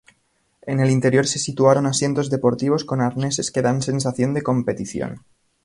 En el interior se situaron asientos deportivos con arneses que dan sensación de competición.